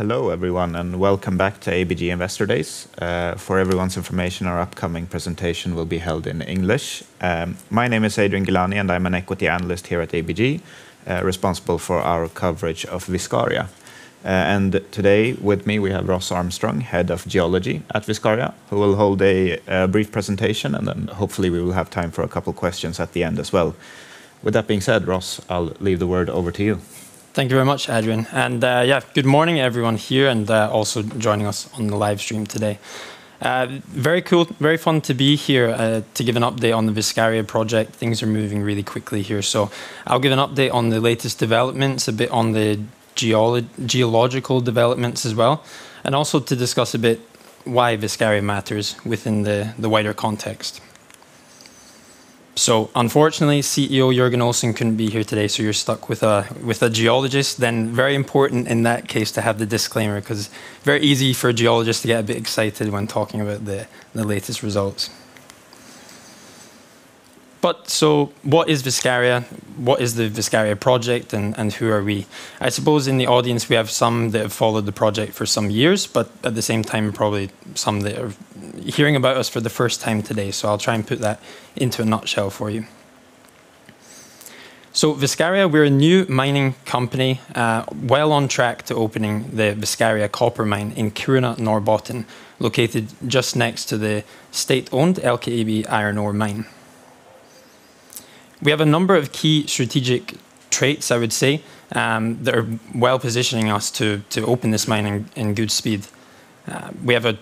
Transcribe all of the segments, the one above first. Hello everyone, and welcome back to ABG Investor Days. For everyone's information, our upcoming presentation will be held in English. My name is Adrian Gilani, and I'm an equity analyst here at ABG, responsible for our coverage of Viscaria. And today with me, we have Ross Armstrong, Head of Geology at Viscaria, who will hold a brief presentation, and then hopefully we will have time for a couple of questions at the end as well. With that being said, Ross, I'll leave the word over to you. Thank you very much, Adrian. And yeah, good morning everyone here, and also joining us on the live stream today. Very cool, very fun to be here to give an update on the Viscaria project. Things are moving really quickly here. So I'll give an update on the latest developments, a bit on the geological developments as well, and also to discuss a bit why Viscaria matters within the wider context. So unfortunately, CEO Jörgen Olsson couldn't be here today, so you're stuck with a geologist. Then very important in that case to have the disclaimer, because it's very easy for a geologist to get a bit excited when talking about the latest results. But so what is Viscaria? What is the Viscaria project, and who are we? I suppose in the audience, we have some that have followed the project for some years, but at the same time, probably some that are hearing about us for the first time today. So I'll try and put that into a nutshell for you. So Viscaria, we're a new mining company, well on track to opening the Viscaria Copper Mine in Kiruna, Norrbotten, located just next to the state-owned LKAB Iron Ore Mine. We have a number of key strategic traits, I would say, that are well positioning us to open this mine in good speed. We have a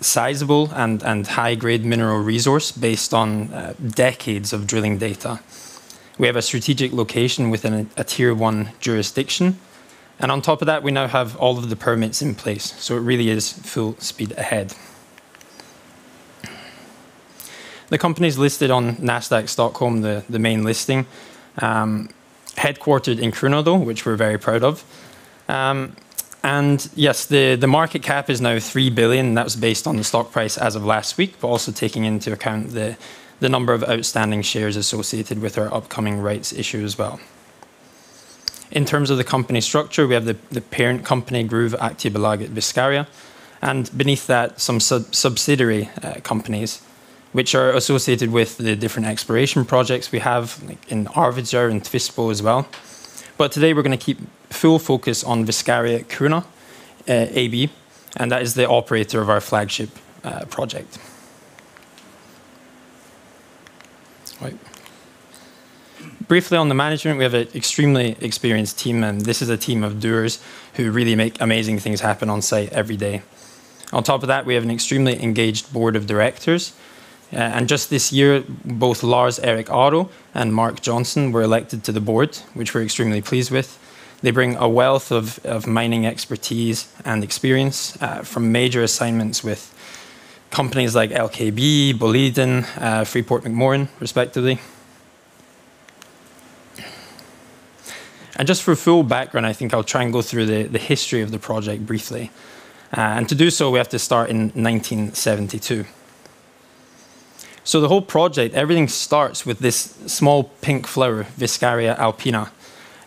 sizable and high-grade mineral resource based on decades of drilling data. We have a strategic location within a tier 1 jurisdiction. And on top of that, we now have all of the permits in place. So it really is full speed ahead. The company is listed on Nasdaq Stockholm, the main listing, headquartered in Kiruna, though, which we're very proud of. And yes, the market cap is now 3 billion. That was based on the stock price as of last week, but also taking into account the number of outstanding shares associated with our upcoming rights issue as well. In terms of the company structure, we have the parent company, Gruvaktiebolaget Viscaria, and beneath that, some subsidiary companies, which are associated with the different exploration projects we have in Arvidsjaur and Tvistbo as well. But today we're going to keep full focus on Viscaria Kiruna AB, and that is the operator of our flagship project. Briefly on the management, we have an extremely experienced team, and this is a team of doers who really make amazing things happen on site every day. On top of that, we have an extremely engaged board of directors. And just this year, both Lars-Eric Aaro and Mark Johnson were elected to the board, which we're extremely pleased with. They bring a wealth of mining expertise and experience from major assignments with companies like LKAB, Boliden, Freeport-McMoRan, respectively. And just for full background, I think I'll try and go through the history of the project briefly. And to do so, we have to start in 1972. So the whole project, everything starts with this small pink flower, Viscaria Alpina.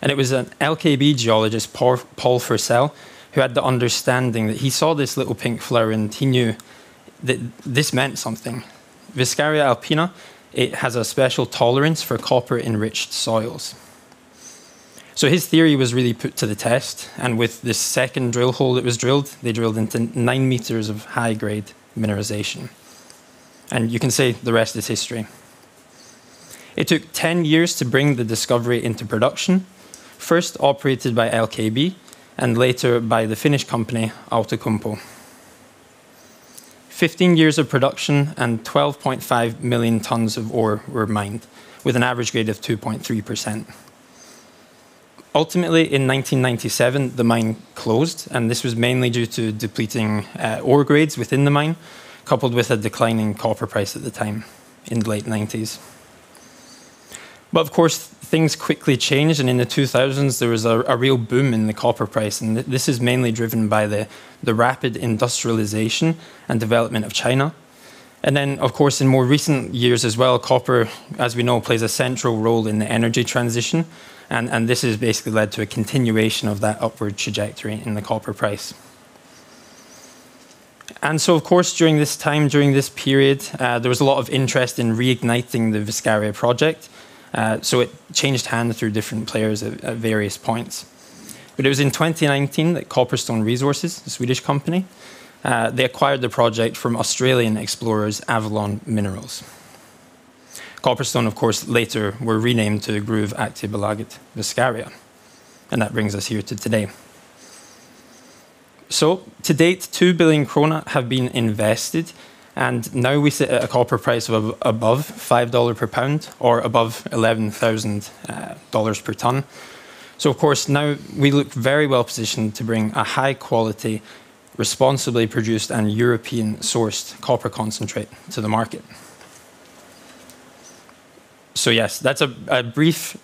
And it was an LKAB geologist, Paul Forsell, who had the understanding that he saw this little pink flower and he knew that this meant something. Viscaria Alpina, it has a special tolerance for copper-enriched soils. So his theory was really put to the test. With the second drill hole that was drilled, they drilled into 9 m of high-grade mineralization. You can say the rest is history. It took 10 years to bring the discovery into production, first operated by LKAB and later by the Finnish company Outokumpu. 15 years of production and 12.5 million tons of ore were mined with an average grade of 2.3%. Ultimately, in 1997, the mine closed, and this was mainly due to depleting ore grades within the mine, coupled with a declining copper price at the time in the late 1990s. Of course, things quickly changed, and in the 2000s, there was a real boom in the copper price, and this is mainly driven by the rapid industrialization and development of China. Then, of course, in more recent years as well, copper, as we know, plays a central role in the energy transition, and this has basically led to a continuation of that upward trajectory in the copper price. So, of course, during this time, during this period, there was a lot of interest in reigniting the Viscaria project. It changed hands through different players at various points. It was in 2019 that Copperstone Resources, a Swedish company, they acquired the project from Australian explorers Avalon Minerals. Copperstone, of course, later were renamed to Gruvaktiebolaget Viscaria. That brings us here to today. To date, 2 billion krona have been invested, and now we sit at a copper price of above $5 per pound or above $11,000 per ton. So of course, now we look very well positioned to bring a high-quality, responsibly produced and European-sourced copper concentrate to the market. So yes, that's a brief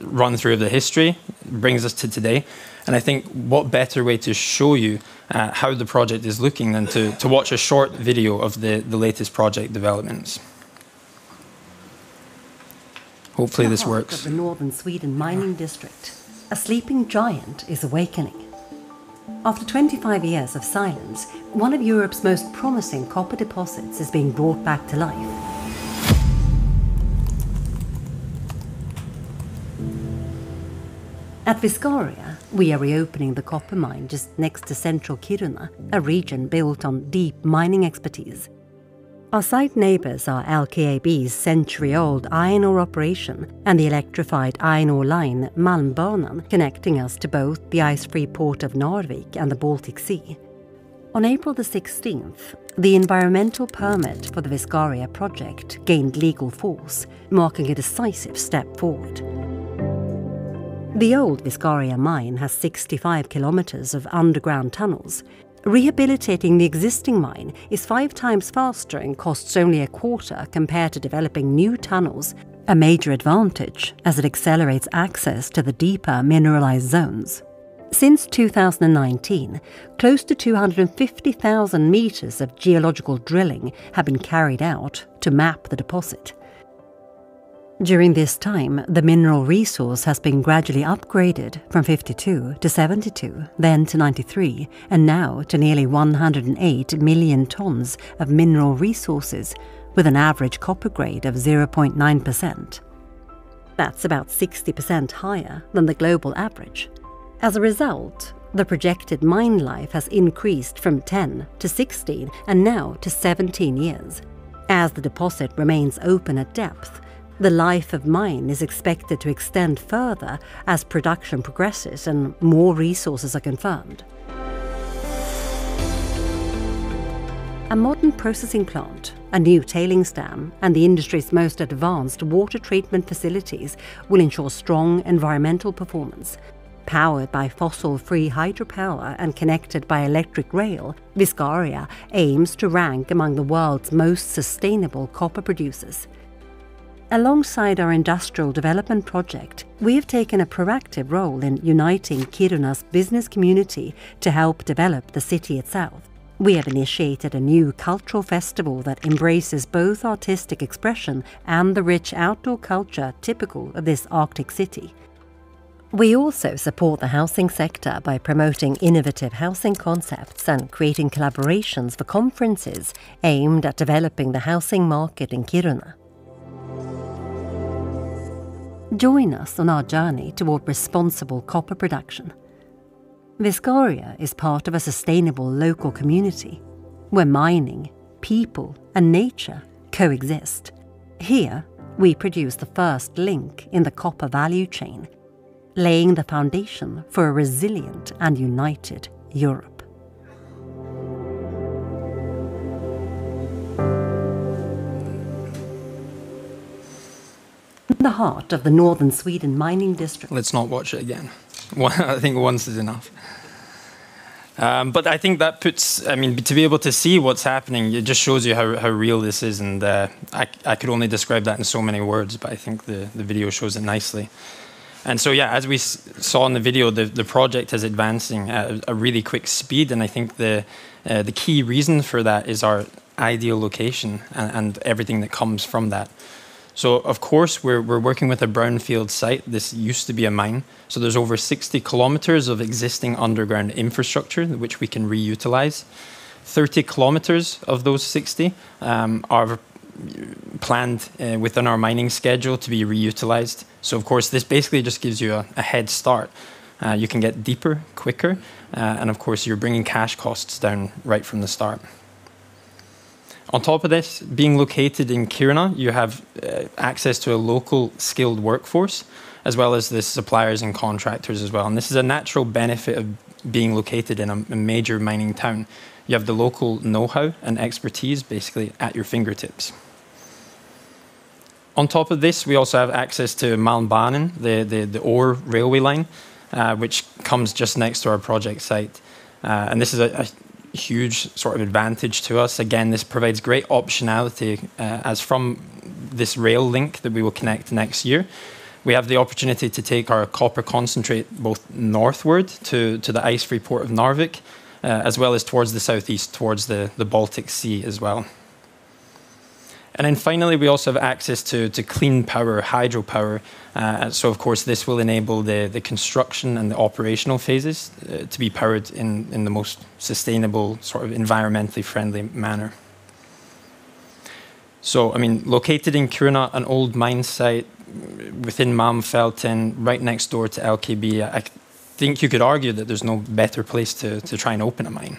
run-through of the history that brings us to today. And I think what better way to show you how the project is looking than to watch a short video of the latest project developments. Hopefully this works. The northern Sweden mining district, a sleeping giant is awakening. After 25 years of silence, one of Europe's most promising copper deposits is being brought back to life. At Viscaria, we are reopening the copper mine just next to central Kiruna, a region built on deep mining expertise. Our site neighbors are LKAB's century-old iron ore operation and the electrified iron ore line, Malmbanan, connecting us to both the ice-free port of Narvik and the Baltic Sea. On April the 16th, the environmental permit for the Viscaria project gained legal force, marking a decisive step forward. The old Viscaria mine has 65 km of underground tunnels. Rehabilitating the existing mine is 5x faster and costs only a quarter compared to developing new tunnels, a major advantage as it accelerates access to the deeper mineralized zones. Since 2019, close to 250,000 m of geological drilling have been carried out to map the deposit. During this time, the mineral resource has been gradually upgraded from 52 million to 72 million, then to 93 million, and now to nearly 108 million tons of mineral resources with an average copper grade of 0.9%. That's about 60% higher than the global average. As a result, the projected mine life has increased from 10 to 16 and now to 17 years. As the deposit remains open at depth, the life of mine is expected to extend further as production progresses and more resources are confirmed. A modern processing plant, a new tailings dam, and the industry's most advanced water treatment facilities will ensure strong environmental performance. Powered by fossil-free hydropower and connected by electric rail, Viscaria aims to rank among the world's most sustainable copper producers. Alongside our industrial development project, we have taken a proactive role in uniting Kiruna's business community to help develop the city itself. We have initiated a new cultural festival that embraces both artistic expression and the rich outdoor culture typical of this Arctic city. We also support the housing sector by promoting innovative housing concepts and creating collaborations for conferences aimed at developing the housing market in Kiruna. Join us on our journey toward responsible copper production. Viscaria is part of a sustainable local community where mining, people, and nature coexist. Here, we produce the first link in the copper value chain, laying the foundation for a resilient and united Europe. In the heart of the northern Sweden mining district. Let's not watch it again. I think once is enough, but I think that puts, I mean, to be able to see what's happening, it just shows you how real this is, and I could only describe that in so many words, but I think the video shows it nicely, and so yeah, as we saw in the video, the project is advancing at a really quick speed, and I think the key reason for that is our ideal location and everything that comes from that, so of course, we're working with a brownfield site. This used to be a mine, so there's over 60 km of existing underground infrastructure which we can reutilize. 30 km of those 60 km are planned within our mining schedule to be reutilized, so of course, this basically just gives you a head start. You can get deeper quicker. Of course, you're bringing cash costs down right from the start. On top of this, being located in Kiruna, you have access to a local skilled workforce, as well as the suppliers and contractors as well. This is a natural benefit of being located in a major mining town. You have the local know-how and expertise basically at your fingertips. On top of this, we also have access to Malmbanan, the ore railway line, which comes just next to our project site. This is a huge sort of advantage to us. Again, this provides great optionality as from this rail link that we will connect next year. We have the opportunity to take our copper concentrate both northward to the ice-free port of Narvik, as well as towards the southeast, towards the Baltic Sea as well. Then finally, we also have access to clean power, hydropower. So of course, this will enable the construction and the operational phases to be powered in the most sustainable sort of environmentally friendly manner. So I mean, located in Kiruna, an old mine site within Malmfälten, right next door to LKAB, I think you could argue that there's no better place to try and open a mine.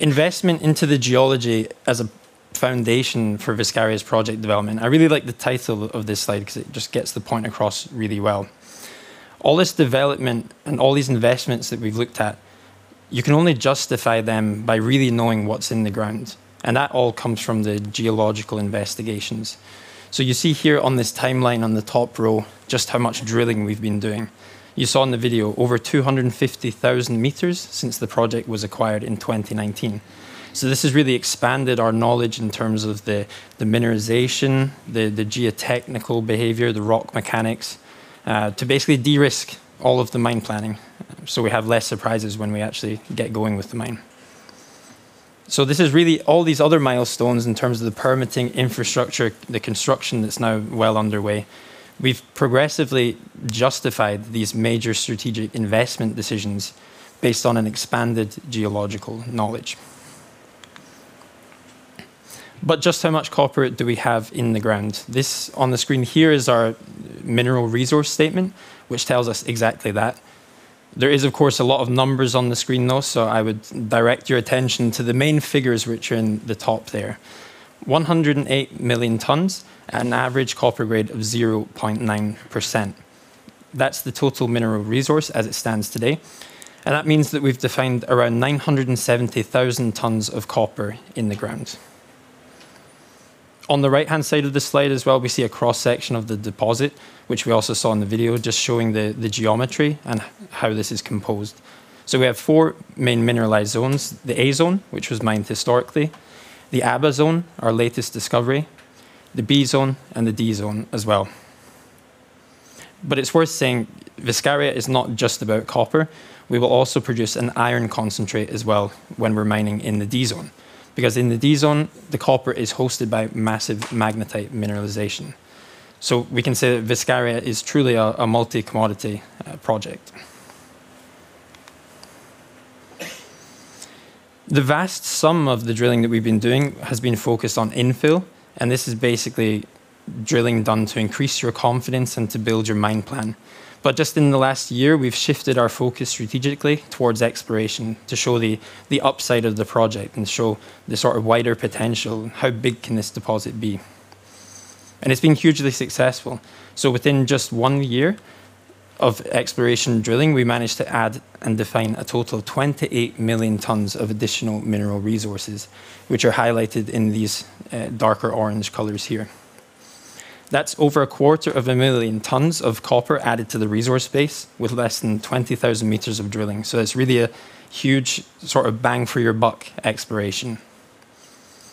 Investment into the geology as a foundation for Viscaria's project development. I really like the title of this slide because it just gets the point across really well. All this development and all these investments that we've looked at, you can only justify them by really knowing what's in the ground. And that all comes from the geological investigations. So you see here on this timeline on the top row, just how much drilling we've been doing. You saw in the video, over 250,000 m since the project was acquired in 2019. This has really expanded our knowledge in terms of the mineralization, the geotechnical behavior, the rock mechanics, to basically de-risk all of the mine planning. So we have less surprises when we actually get going with the mine. So this is really all these other milestones in terms of the permitting infrastructure, the construction that's now well underway. We've progressively justified these major strategic investment decisions based on an expanded geological knowledge. But just how much copper do we have in the ground? This on the screen here is our mineral resource statement, which tells us exactly that. There is, of course, a lot of numbers on the screen though, so I would direct your attention to the main figures which are in the top there. 108 million tons and an average copper grade of 0.9%. That's the total mineral resource as it stands today. That means that we've defined around 970,000 tons of copper in the ground. On the right-hand side of the slide as well, we see a cross-section of the deposit, which we also saw in the video, just showing the geometry and how this is composed. We have four main mineralized zones, the A zone, which was mined historically, the ABBA-zone, our latest discovery, the B zone, and the D zone as well. It's worth saying Viscaria is not just about copper. We will also produce an iron concentrate as well when we're mining in the D zone, because in the D zone, the copper is hosted by massive magnetite mineralization. We can say that Viscaria is truly a multi-commodity project. The vast sum of the drilling that we've been doing has been focused on infill, and this is basically drilling done to increase your confidence and to build your mine plan. But just in the last year, we've shifted our focus strategically towards exploration to show the upside of the project and show the sort of wider potential, how big can this deposit be. And it's been hugely successful. So within just one year of exploration drilling, we managed to add and define a total of 28 million tons of additional mineral resources, which are highlighted in these darker orange colors here. That's over 250,000 tons of copper added to the resource base with less than 20,000 m of drilling. So it's really a huge sort of bang for your buck exploration.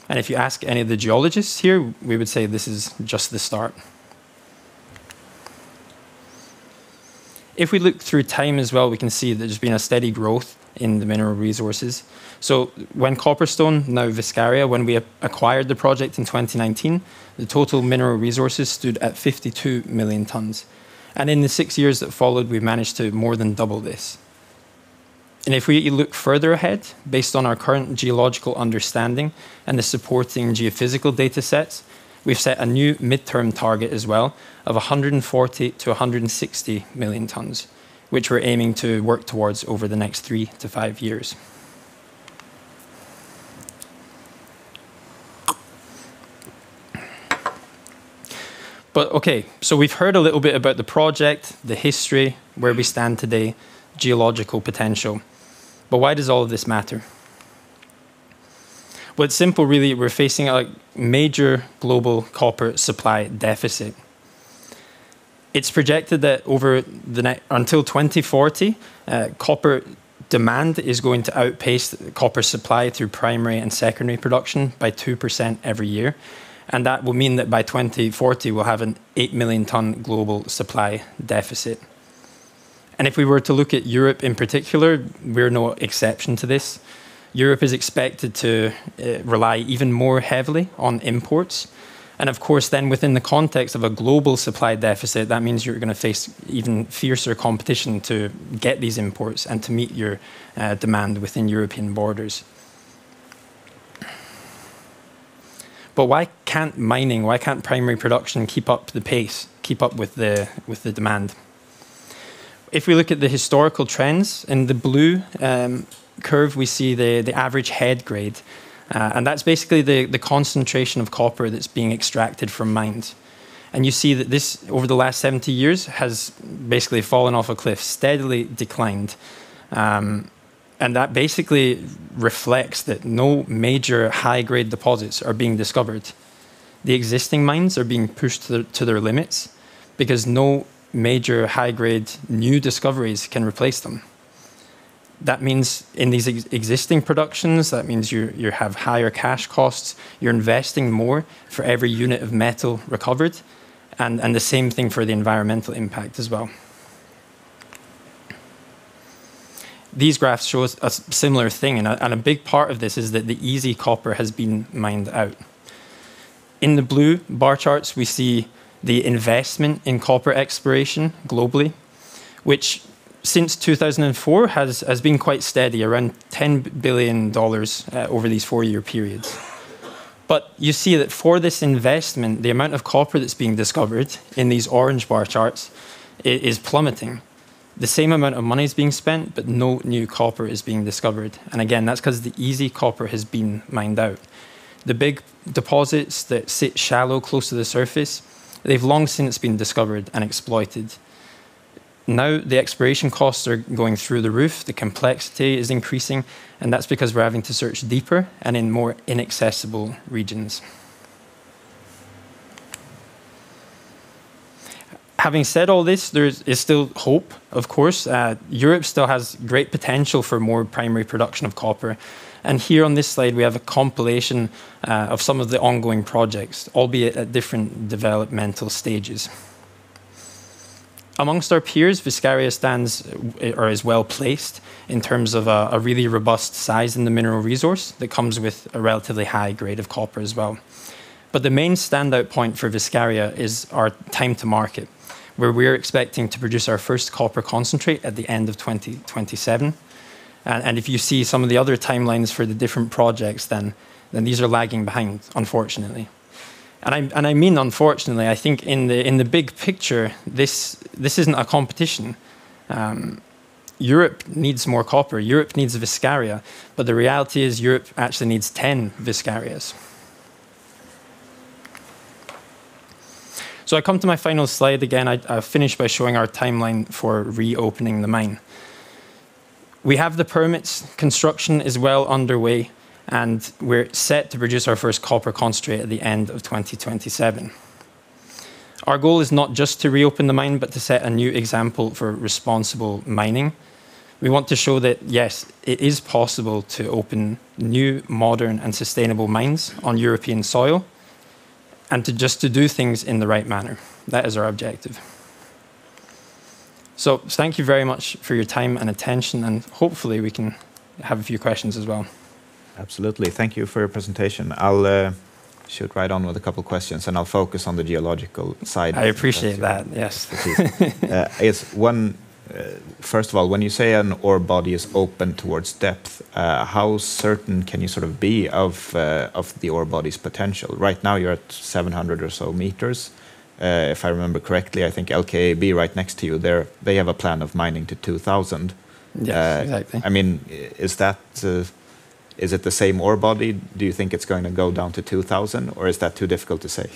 If you ask any of the geologists here, we would say this is just the start. If we look through time as well, we can see that there's been a steady growth in the mineral resources. So when Copperstone, now Viscaria, when we acquired the project in 2019, the total mineral resources stood at 52 million tons. In the six years that followed, we've managed to more than double this. If we look further ahead, based on our current geological understanding and the supporting geophysical data sets, we've set a new midterm target as well of 140 million-160 million tons, which we're aiming to work towards over the next three to five years. Okay, so we've heard a little bit about the project, the history, where we stand today, geological potential. Why does all of this matter? It's simple really. We're facing a major global copper supply deficit. It's projected that over the period until 2040, copper demand is going to outpace copper supply through primary and secondary production by 2% every year. And that will mean that by 2040, we'll have an 8 million ton global supply deficit. And if we were to look at Europe in particular, we're no exception to this. Europe is expected to rely even more heavily on imports. And of course, then within the context of a global supply deficit, that means you're going to face even fiercer competition to get these imports and to meet your demand within European borders. But why can't mining, why can't primary production keep up the pace, keep up with the demand? If we look at the historical trends in the blue curve, we see the average head grade. That's basically the concentration of copper that's being extracted from mines. You see that this over the last 70 years has basically fallen off a cliff, steadily declined. That basically reflects that no major high-grade deposits are being discovered. The existing mines are being pushed to their limits because no major high-grade new discoveries can replace them. That means in these existing productions, that means you have higher cash costs, you're investing more for every unit of metal recovered. The same thing for the environmental impact as well. These graphs show a similar thing. A big part of this is that the easy copper has been mined out. In the blue bar charts, we see the investment in copper exploration globally, which since 2004 has been quite steady, around $10 billion over these four-year periods. But you see that for this investment, the amount of copper that's being discovered in these orange bar charts is plummeting. The same amount of money is being spent, but no new copper is being discovered. And again, that's because the easy copper has been mined out. The big deposits that sit shallow close to the surface, they've long since been discovered and exploited. Now the exploration costs are going through the roof, the complexity is increasing, and that's because we're having to search deeper and in more inaccessible regions. Having said all this, there is still hope, of course. Europe still has great potential for more primary production of copper. And here on this slide, we have a compilation of some of the ongoing projects, albeit at different developmental stages. Among our peers, Viscaria stands or is well placed in terms of a really robust size in the mineral resource that comes with a relatively high grade of copper as well. But the main standout point for Viscaria is our time to market, where we're expecting to produce our first copper concentrate at the end of 2027. And if you see some of the other timelines for the different projects, then these are lagging behind, unfortunately. And I mean unfortunately, I think in the big picture, this isn't a competition. Europe needs more copper. Europe needs Viscaria. But the reality is Europe actually needs 10 Viscaria. So I come to my final slide again. I'll finish by showing our timeline for reopening the mine. We have the permits, construction is well underway, and we're set to produce our first copper concentrate at the end of 2027. Our goal is not just to reopen the mine, but to set a new example for responsible mining. We want to show that, yes, it is possible to open new, modern, and sustainable mines on European soil and just to do things in the right manner. That is our objective. So thank you very much for your time and attention, and hopefully we can have a few questions as well. Absolutely. Thank you for your presentation. I'll jump right in with a couple of questions, and I'll focus on the geological side. I appreciate that. Yes. It's one, first of all, when you say an ore body is open towards depth, how certain can you sort of be of the ore body's potential? Right now you're at 700 m or so. If I remember correctly, I think LKAB right next to you there, they have a plan of mining to 2,000 m. Yes, exactly. I mean, is that, is it the same ore body? Do you think it's going to go down to 2000 m, or is that too difficult to say?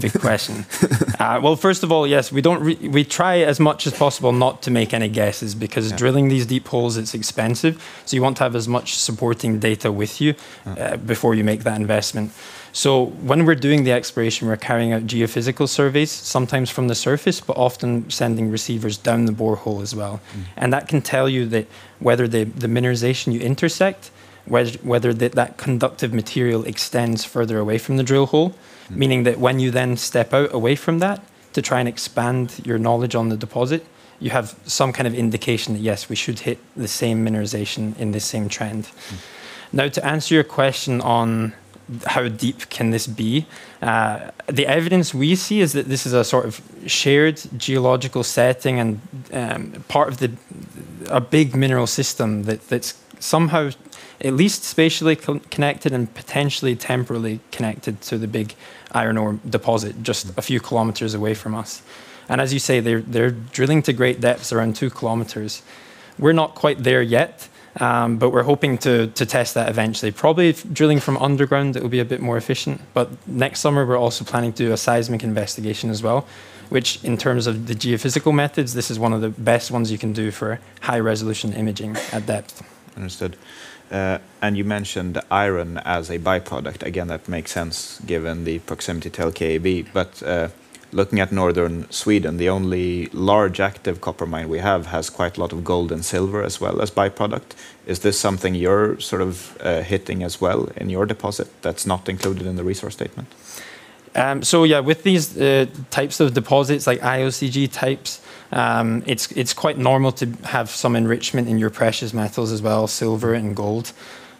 Big question. First of all, yes, we try as much as possible not to make any guesses because drilling these deep holes, it's expensive. You want to have as much supporting data with you before you make that investment. When we're doing the exploration, we're carrying out geophysical surveys, sometimes from the surface, but often sending receivers down the borehole as well. That can tell you whether the mineralization you intersect, whether that conductive material extends further away from the drill hole, meaning that when you then step out away from that to try and expand your knowledge on the deposit, you have some kind of indication that, yes, we should hit the same mineralization in this same trend. Now, to answer your question on how deep can this be, the evidence we see is that this is a sort of shared geological setting and part of a big mineral system that's somehow at least spatially connected and potentially temporally connected to the big iron ore deposit just a few kilometers away from us. And as you say, they're drilling to great depths around two kilometers. We're not quite there yet, but we're hoping to test that eventually. Probably drilling from underground, it will be a bit more efficient. But next summer, we're also planning to do a seismic investigation as well, which in terms of the geophysical methods, this is one of the best ones you can do for high-resolution imaging at depth. Understood. And you mentioned iron as a byproduct. Again, that makes sense given the proximity to LKAB. But looking at northern Sweden, the only large active copper mine we have has quite a lot of gold and silver as well as byproduct. Is this something you're sort of hitting as well in your deposit that's not included in the resource statement? Yeah, with these types of deposits like IOCG types, it's quite normal to have some enrichment in your precious metals as well, silver and gold.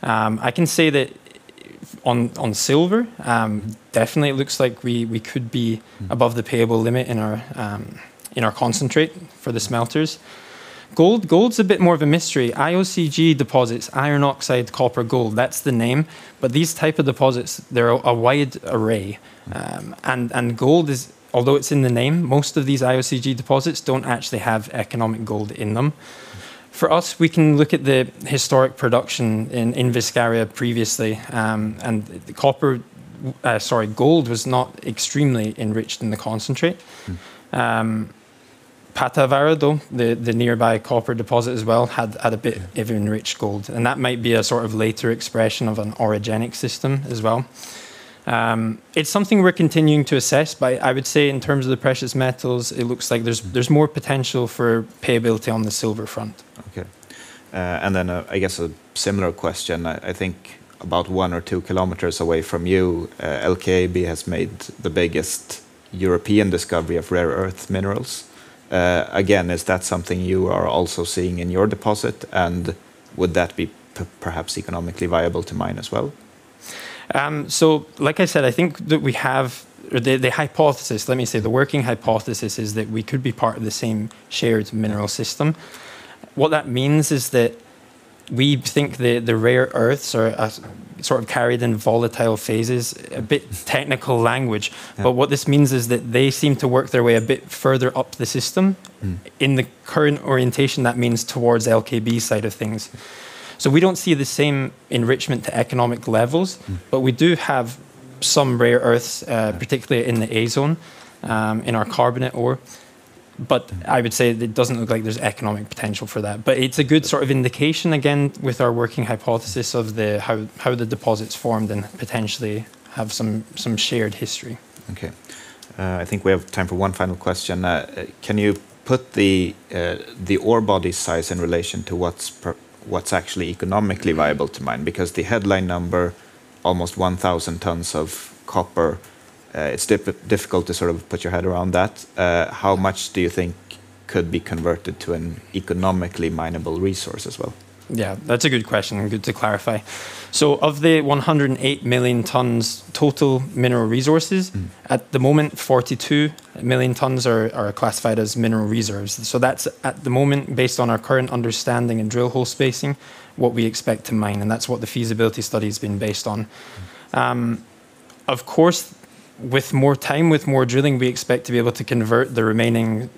I can say that on silver, definitely it looks like we could be above the payable limit in our concentrate for the smelters. Gold, gold's a bit more of a mystery. IOCG deposits, iron oxide, copper, gold, that's the name. These type of deposits, there are a wide array. Gold is, although it's in the name, most of these IOCG deposits don't actually have economic gold in them. For us, we can look at the historic production in Viscaria previously. The copper, sorry, gold was not extremely enriched in the concentrate. Pahtavaara, though, the nearby copper deposit as well, had a bit of enriched gold. That might be a sort of later expression of an orogenic system as well. It's something we're continuing to assess, but I would say in terms of the precious metals, it looks like there's more potential for payability on the silver front. Okay. And then I guess a similar question, I think about 1 km or 2 km away from you, LKAB has made the biggest European discovery of rare earth minerals. Again, is that something you are also seeing in your deposit? And would that be perhaps economically viable to mine as well? So like I said, I think that we have the hypothesis, let me say the working hypothesis is that we could be part of the same shared mineral system. What that means is that we think the rare earths are sort of carried in volatile phases, a bit technical language. But what this means is that they seem to work their way a bit further up the system. In the current orientation, that means towards LKAB side of things. So we don't see the same enrichment to economic levels, but we do have some rare earths, particularly in the A zone, in our carbonate ore. But I would say that it doesn't look like there's economic potential for that. But it's a good sort of indication, again, with our working hypothesis of how the deposits formed and potentially have some shared history. Okay. I think we have time for one final question. Can you put the ore body size in relation to what's actually economically viable to mine? Because the headline number, almost 1,000 tons of copper, it's difficult to sort of put your head around that. How much do you think could be converted to an economically minable resource as well? Yeah, that's a good question and good to clarify. So of the 108 million tons total mineral resources, at the moment, 42 million tons are classified as mineral reserves. So that's at the moment, based on our current understanding and drill hole spacing, what we expect to mine, and that's what the feasibility study has been based on. Of course, with more time, with more drilling, we expect to be able to convert the remaining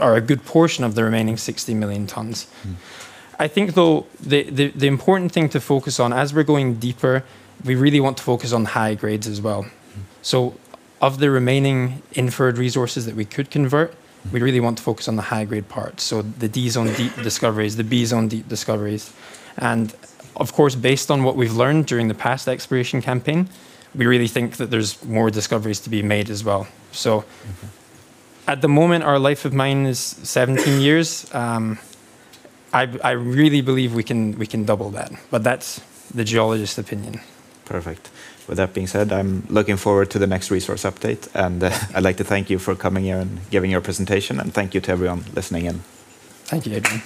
or a good portion of the remaining 60 million tons. I think though the important thing to focus on as we're going deeper, we really want to focus on high grades as well. So of the remaining inferred resources that we could convert, we really want to focus on the high grade part. So the D zone deep discoveries, the B zone deep discoveries. Of course, based on what we've learned during the past exploration campaign, we really think that there's more discoveries to be made as well. At the moment, our life of mine is 17 years. I really believe we can double that, but that's the geologist's opinion. Perfect. With that being said, I'm looking forward to the next resource update. And I'd like to thank you for coming here and giving your presentation. And thank you to everyone listening in. Thank you, Adrian.